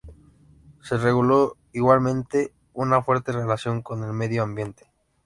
Se reguló igualmente una fuerte relación con el medio ambiente.